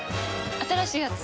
新しいやつ？